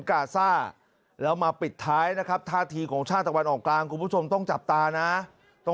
กับสยามมกุฎราชกุมาร